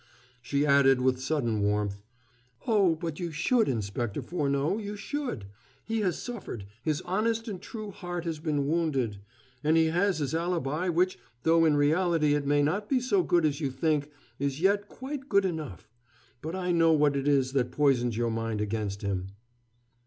She added with sudden warmth: "Oh, but you should, Inspector Furneaux! You should. He has suffered; his honest and true heart has been wounded. And he has his alibi, which, though in reality it may not be so good as you think, is yet quite good enough. But I know what it is that poisons your mind against him."